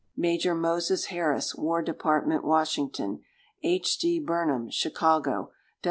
Major Moses Harris, War Dept., Washington. H. D. Burnham, Chicago.